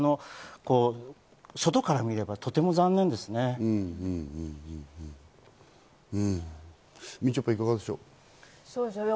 外から見たらとても残念ですね。